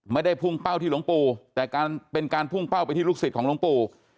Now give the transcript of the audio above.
ไม่ได้พุ่งเป้าที่หลวงปู่แต่การเป็นการพุ่งเป้าไปที่ลูกศิษย์ของหลวงปู่